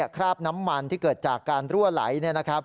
คราบน้ำมันที่เกิดจากการรั่วไหล